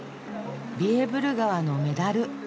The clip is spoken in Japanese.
ビエーブル川のメダル。